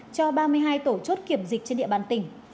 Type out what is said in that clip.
cho ba mươi hai tổ chốt kiểm dịch trên địa bàn tỉnh